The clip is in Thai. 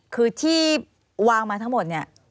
คือที่วางมาทั้งหมดเนี่ย